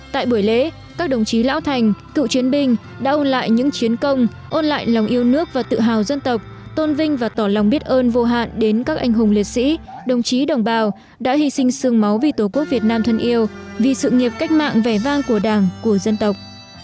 tại buổi lễ các đồng chí lão thành cựu chiến binh đã ôn lại những chiến công ôn lại lòng yêu nước và tự hào dân tộc tôn vinh và tỏ lòng biết ơn vô hạn đến các anh hùng liệt sĩ đồng chí đồng bào đã hy sinh sương máu vì tổ quốc việt nam thân yêu vì sự nghiệp cách mạng vẻ vang của đảng của dân tộc